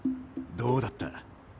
どうだった？